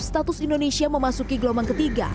status indonesia memasuki gelombang ketiga